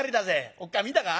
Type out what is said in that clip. おっかあ見たか？